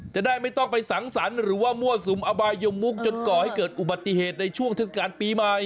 จะได้ไม่ต้องไปสังสรรค์หรือว่ามั่วสุมอบายยมมุกจนก่อให้เกิดอุบัติเหตุในช่วงเทศกาลปีใหม่